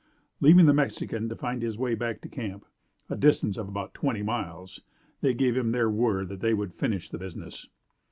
Leaving the Mexican to find his way back to camp, a distance of about twenty miles, they gave him their word that they would finish the business.